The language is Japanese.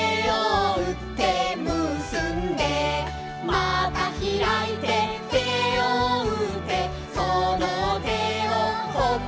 「またひらいて手をうってその手をほっぺに」